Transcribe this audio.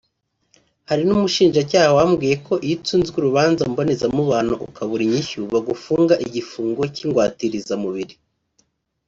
Hari n’umushinjacyaha wambwiye ko iyo utsinzwe n’urubanza mboneza mubano ukabura inyishyu bagufunga igifungo cy’ingwatirizamubiri